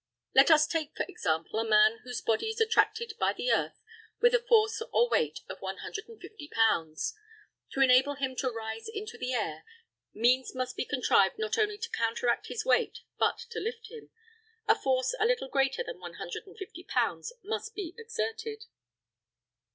Let us take, for example, a man whose body is attracted by the earth with a force, or weight, of 150 pounds. To enable him to rise into the air, means must be contrived not only to counteract his weight, but to lift him a force a little greater than 150 pounds must be exerted.